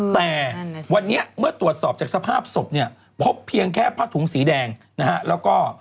แต่วันนี้เมื่อตรวจสอบจากสภาพศพเนี่ยพบเพียงแค่ผ้าถุงสีแดงนะฮะแล้วก็